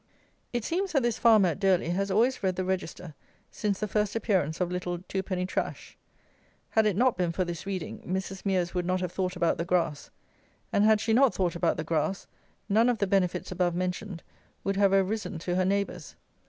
It seems that this farmer at Durley has always read the Register, since the first appearance of little Two penny Trash. Had it not been for this reading, Mrs. Mears would not have thought about the grass; and had she not thought about the grass, none of the benefits above mentioned would have arisen to her neighbours.